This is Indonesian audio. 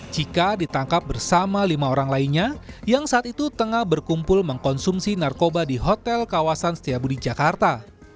jika ditangkap bersama lima orang lainnya yang saat itu tengah berkumpul mengkonsumsi narkoba di hotel kawasan setiabudi jakarta